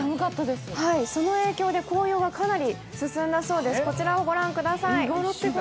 その影響で紅葉がかなり進んだそうです。